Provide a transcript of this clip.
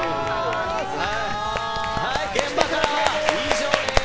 現場からは以上です！